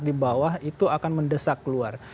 di bawah itu akan mendesak keluar